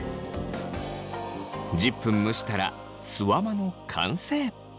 １０分蒸したらすわまの完成。